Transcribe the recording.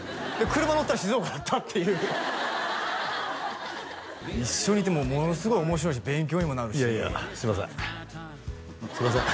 車に乗ったら静岡だったっていう一緒にいてもうものすごい面白いし勉強にもなるしいやいやすいませんすいません